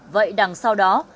vậy đằng sau đó